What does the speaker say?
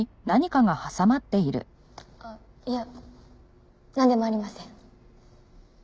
あっいやなんでもありません。